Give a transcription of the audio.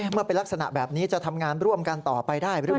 เมื่อเป็นลักษณะแบบนี้จะทำงานร่วมกันต่อไปได้หรือเปล่า